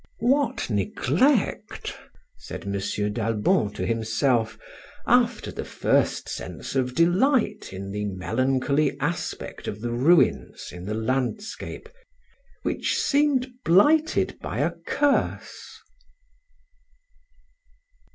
"What neglect!" said M. d'Albon to himself, after the first sense of delight in the melancholy aspect of the ruins in the landscape, which seemed blighted by a curse.